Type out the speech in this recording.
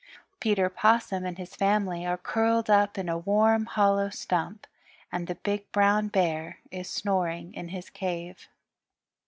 Peter Possum and his family are curled up in a warm hollow stump, and the Big Brown Bear is snoring in his cave.